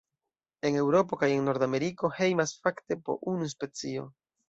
En Eŭropo kaj en Nordameriko hejmas fakte po unu specio.